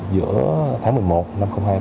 giữa tháng một mươi một năm hai nghìn hai mươi